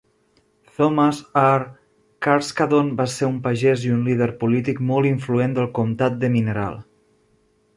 Thomas R. Carskadon va ser un pagès i un líder polític molt influent del comtat de Mineral.